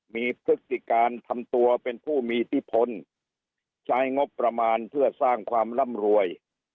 มีพฤติการทำตัวเป็นผู้มีอิทธิพลใช้งบประมาณเพื่อสร้างความร่ำรวย